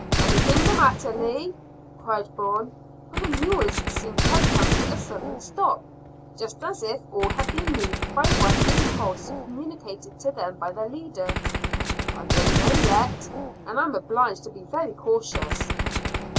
"Anything the matter, Lee?" cried Bourne, for the mules seemed to have come to a sudden stop, just as if all had been moved by one impulse communicated to them by their leader. "I don't know yet, and I'm obliged to be very cautious."